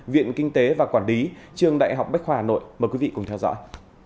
viện kinh tế và quản lý trường đại học bách khoa hà nội mời quý vị cùng theo dõi